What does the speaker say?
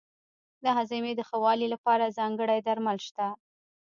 د هاضمې د ښه والي لپاره ځانګړي درمل شته.